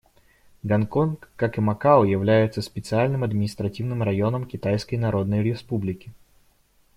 Гонконг, как и Макао, является специальным административным районом Китайской Народной Республики.